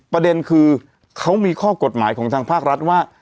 ประเด็นคือเขามีข้อกฎหมายของทางภาครัฐว่า